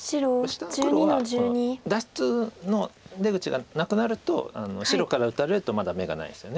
下の黒は脱出の出口がなくなると白から打たれるとまだ眼がないですよね。